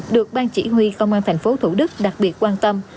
được bang chỉ huy công an tp thủ đức đặc biệt quan tâm